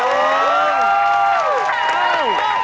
โอ้โอ้โอ้